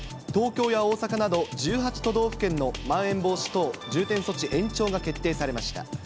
東京や大阪など１８都道府県のまん延防止等重点措置延長が決定されました。